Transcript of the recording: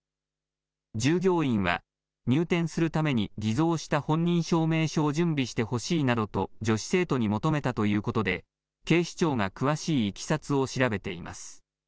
従業員は入店するために偽造した本人証明書を準備してほしいなどと女子生徒に求めたということで警視庁が詳しいいきさつを調べています。